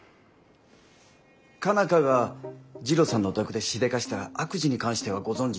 佳奈花が次郎さんのお宅でしでかした悪事に関してはご存じですよね？